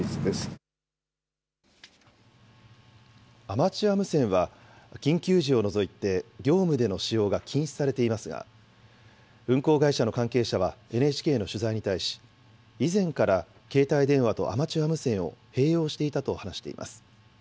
アマチュア無線は、緊急時を除いて業務での使用が禁止されていますが、運航会社の関係者はＮＨＫの取材に対し、以前から携帯電話とアマチュア無線を併用していたと話しています。